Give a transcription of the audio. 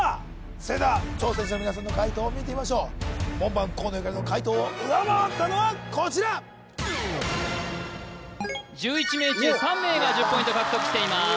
それでは挑戦者の皆さんの解答を見てみましょう門番河野ゆかりの解答を上回ったのはこちら１１名中３名が１０ポイント獲得しています